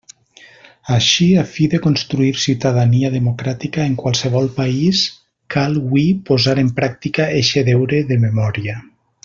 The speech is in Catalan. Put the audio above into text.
Així, a fi de construir ciutadania democràtica en qualsevol país, cal hui posar en pràctica eixe deure de memòria.